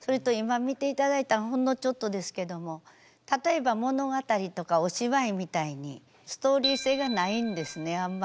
それと今見ていただいたほんのちょっとですけども例えば物語とかお芝居みたいにストーリー性がないんですねあんまり。